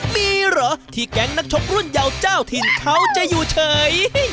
มีเหรอที่แก๊งนักชกรุ่นเยาว์เจ้าถิ่นเขาจะอยู่เฉย